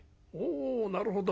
「おなるほど。